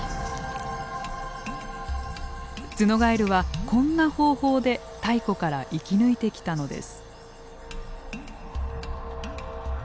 ツノガエルはこんな方法で太古から生き抜いてきたのです。